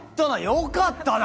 よかったな！